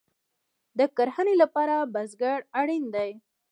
د کرنې لپاره بزګر اړین دی